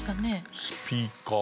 スピーカー。